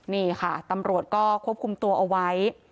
นี่ค่ะตำรวจก็ควบคุมตัวเอาไว้